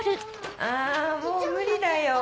あもう無理だよ。